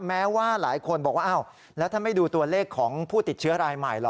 แม้ว่าหลายคนบอกว่าอ้าวแล้วถ้าไม่ดูตัวเลขของผู้ติดเชื้อรายใหม่เหรอ